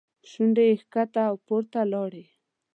شونډې یې ښکته او پورته لاړې.